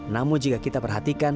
namun jika kita perhatikan